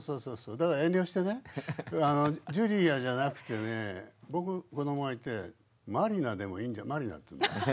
だから遠慮してねジュリアじゃなくてね僕子供がいてマリナでもいいんじゃないマリナっていうんだけどね。